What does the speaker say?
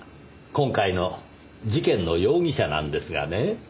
今回の事件の容疑者なんですがね。